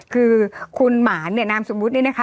คือคุณหมานเนี่ยนามสมมุตินี่นะคะ